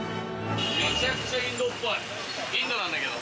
めちゃくちゃインドっぽいインドなんだけど。